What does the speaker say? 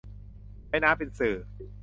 ใช้น้ำเป็นสื่อ